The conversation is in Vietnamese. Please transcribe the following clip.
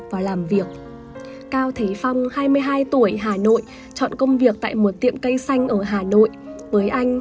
và chăm sóc cây hoa